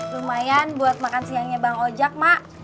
lumayan buat makan siangnya bang ojek mak